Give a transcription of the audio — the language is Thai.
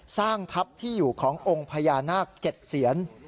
สร้างทัพที่อยู่ขององค์พญานาค๗เสียน